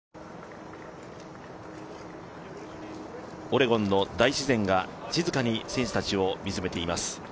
オレゴンの大自然が静かに選手たちを見つめています